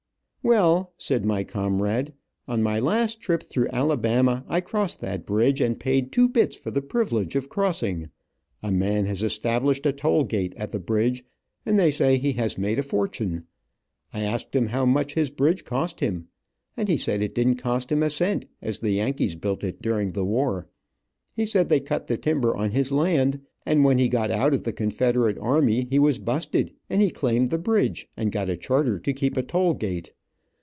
"Well," said my comrade, "on my last trip through Alabama I crossed that bridge, and paid two bits for the privilege of crossing. A man has established a toll gate at the bridge, and they say he has made a fortune. I asked him how much his bridge cost him, and he said it didn't cost him a cent, as the Yankees built it during the war. He said they cut the timber on his land, and when he got out of the Confederate army he was busted, and he claimed the bridge, and got a charter to keep a toll gate."